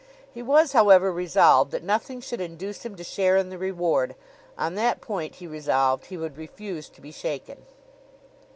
He was, however, resolved that nothing should induce him to share in the reward. On that point, he resolved, he would refuse to be shaken.